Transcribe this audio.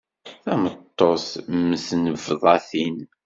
Tameṭṭut mm tnebḍatin.